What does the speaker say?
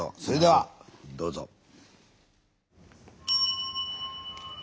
それではどうぞ。